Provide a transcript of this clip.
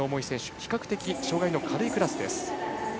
比較的障がいの軽いクラスです。